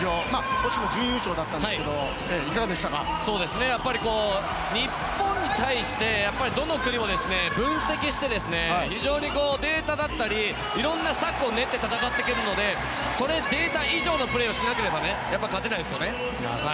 惜しくも準優勝でしたが日本に対してどの国も分析して非常にデータだったりいろんな策を練って戦ってくるのでそのデータ以上のプレーをしなければ勝てないですよね。